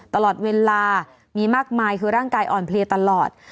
ตลอดเวลามีมากมายคือร่างกายอ่อนเพลียตลอด